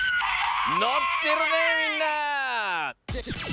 のってるねみんな！